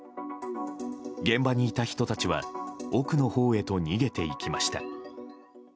現場にいた人たちは奥のほうへと逃げていきました。